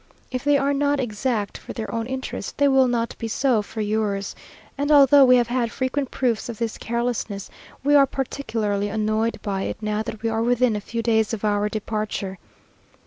If they are not exact for their own interest, they will not be so for yours; and although we have had frequent proofs of this carelessness, we are particularly annoyed by it now that we are within a few days of our departure.